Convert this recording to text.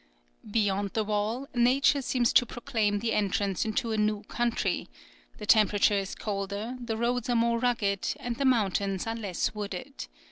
[Illustration: The great wall of China.] Beyond the wall nature seems to proclaim the entrance into a new country; the temperature is colder, the roads are more rugged, and the mountains are less wooded.